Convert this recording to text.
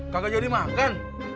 kakak jadi makan